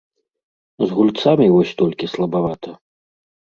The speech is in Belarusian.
З гульцамі вось толькі слабавата.